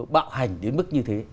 bạo hành đến mức như thế